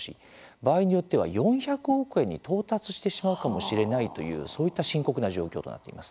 場合によっては４００億円に到達してしまうかもしれないという、そういった深刻な状況となっています。